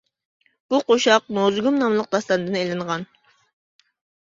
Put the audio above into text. بۇ قوشاق نۇزۇگۇم ناملىق داستاندىن ئېلىنغان.